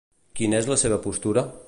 Quina és la seva postura?